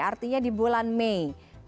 artinya di bulan mei